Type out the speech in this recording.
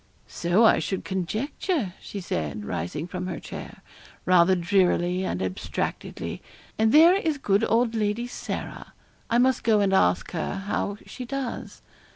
'So I should conjecture,' she said, rising from her chair, rather drearily and abstractedly, 'and there is good old Lady Sarah. I must go and ask her how she does.'